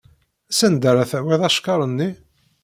S anda ara tawiḍ acekkar-nni?